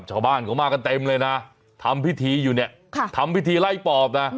ชาวบ้านเขามากันเต็มเลยนะทำพิธีอยู่เนี่ยทำพิธีไล่ปอบนะ